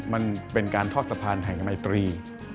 มันเป็นการทอดสะพานแห่งมัยตรี